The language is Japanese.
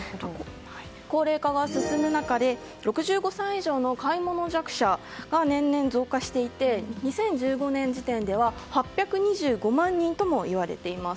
高齢化が進む中で、６５歳以上の買い物弱者が年々増加していて２０１５年時点で８２５万人とも言われています。